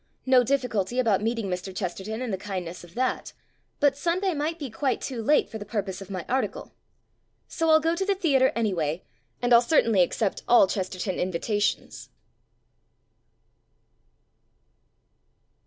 No difficulty about meeting Mr. Chesterton in the kind ness of that. But Sunday might be quite too late for the purpose of my article. So Til go to the theatre any way, and I'll certainly accept all Ches terton invitations.